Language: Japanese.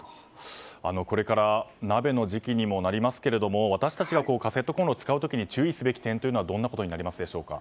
これから鍋の時期にもなりますが私たちがカセットコンロを使う時に注意すべき点はどんなことになりますか？